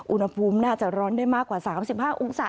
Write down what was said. อุณหภูมิน่าจะร้อนได้มากกว่า๓๕องศา